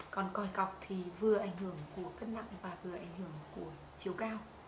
còn còi cọc thì vừa ảnh hưởng của cân nặng và vừa ảnh hưởng của chiều cao